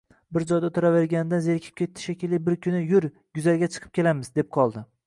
Bir joyda oʻtiraverganidan zerikib ketdi shekilli, bir kuni “Yur, guzarga chiqib kelamiz”, deb qoldi.